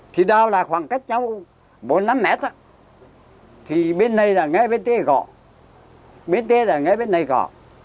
thì đau là khoảng cách nhau bốn năm mét á thì bên này là nghe bên tía gọ bên tía là nghe bên này gọ